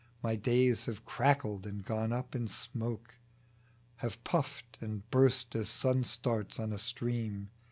My days have crackled and gone up in smoke, Have puffed and burst as sun starts on a stream.